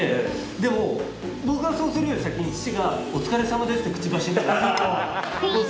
でも僕がそうするより先に父が「お疲れさまです」って口走るんです。